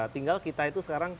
tinggal kita itu sekarang